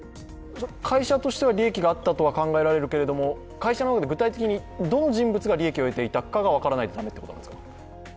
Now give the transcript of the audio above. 会社としては利益があったとは考えられるけれども、会社としてどの人物が利益を得ていたか分からないと駄目ということですか？